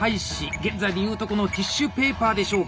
現在でいうとこのティッシュペーパーでしょうか。